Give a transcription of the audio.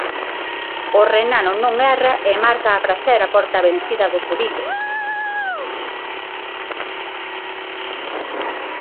O renano non erra e marca a pracer a porta vencida do Sevilla.